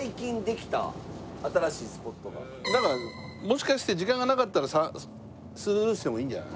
もしかして時間がなかったらスルーしてもいいんじゃない？